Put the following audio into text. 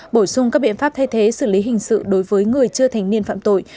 bổ sung các biện pháp thay thế xử lý hình sự đối với người chưa thành niên phạm tội